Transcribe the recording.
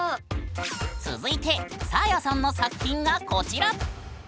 続いてサーヤさんの作品がこちら！